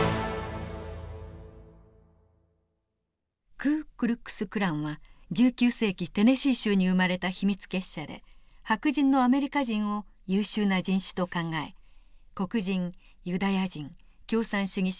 クー・クルックス・クランは１９世紀テネシー州に生まれた秘密結社で白人のアメリカ人を優秀な人種と考え黒人ユダヤ人共産主義者